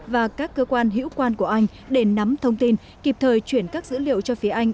và các cơ quan hữu quan của anh để nắm thông tin kịp thời chuyển các dữ liệu cho phía anh